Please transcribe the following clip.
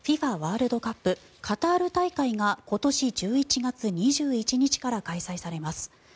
ワールドカップカタール大会が今年１１月２１日から開催されます。